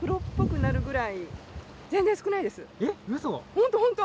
本当、本当。